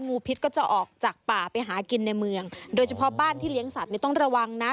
พิษก็จะออกจากป่าไปหากินในเมืองโดยเฉพาะบ้านที่เลี้ยงสัตว์ต้องระวังนะ